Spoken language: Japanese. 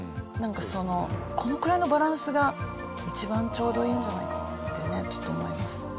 このくらいのバランスが一番ちょうどいいんじゃないかなって思いました。